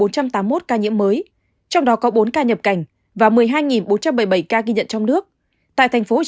một mươi hai bốn trăm tám mươi một ca nhiễm mới trong đó có bốn ca nhập cảnh và một mươi hai bốn trăm bảy mươi bảy ca ghi nhận trong nước